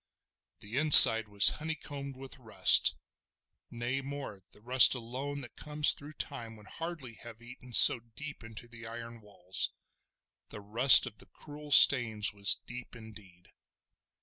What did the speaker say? The inside was honeycombed with rust—nay more, the rust alone that comes through time would hardly have eaten so deep into the iron walls; the rust of the cruel stains was deep indeed!